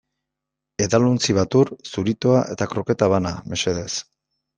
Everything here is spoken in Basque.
Edalontzi bat ur, zuritoa eta kroketa bana, mesedez.